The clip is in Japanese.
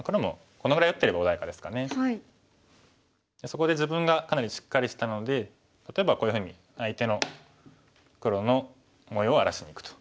そこで自分がかなりしっかりしたので例えばこういうふうに相手の黒の模様を荒らしにいくと。